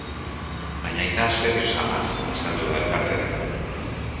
Baina aita serio samar azaldu da elkartera.